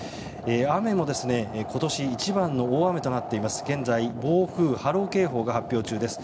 雨も今年一番の大雨となっていて、現在暴風波浪警報が発表中です。